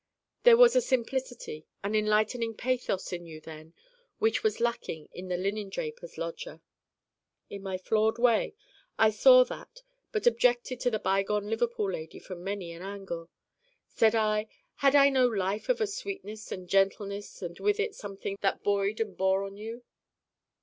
There was a simplicity, an enlightening pathos in you then which was lacking in the linen draper's lodger.' In my flawed way I saw that, but objected to the bygone Liverpool lady from many an angle. Said I: 'Had I no life of a sweetness and gentleness and with it something that buoyed and bore you on?